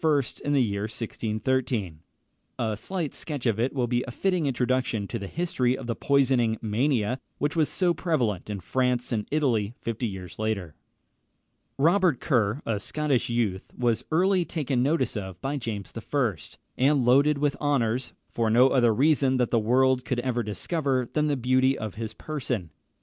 in the year 1613. A slight sketch of it will be a fitting introduction to the history of the poisoning mania, which was so prevalent in France and Italy fifty years later. Robert Kerr, a Scottish youth, was early taken notice of by James I., and loaded with honours, for no other reason that the world could ever discover than the beauty of his person.